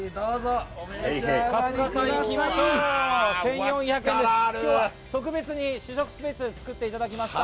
今日は特別に試食スペースを作っていただきました。